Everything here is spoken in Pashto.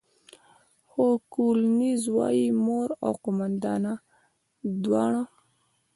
خو کولینز وايي، مور او قوماندانه دواړه.